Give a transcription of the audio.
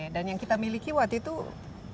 dan yang kita miliki waktu itu berapa